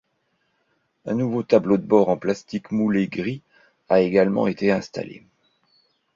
Un nouveau tableau de bord en plastique moulé gris a également été installé.